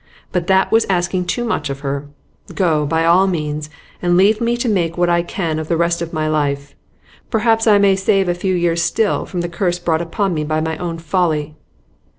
But that was asking too much of her. Go, by all means, and leave me to make what I can of the rest of my life; perhaps I may save a few years still from the curse brought upon me by my own folly.